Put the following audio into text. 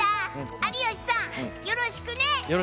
有吉さん、よろしくね。